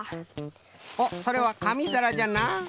おっそれはかみざらじゃな。